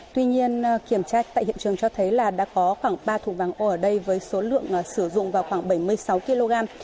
tuy nhiên kiểm tra tại hiện trường cho thấy là đã có khoảng ba thùng vàng ô ở đây với số lượng sử dụng vào khoảng bảy mươi sáu kg